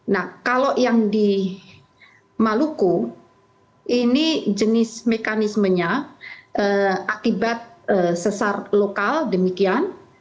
nah kalau yang di maluku ini jenis mekanismenya akibat sesar lokal demikian